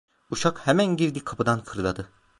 Uşak hemen girdiği kapıdan fırladı.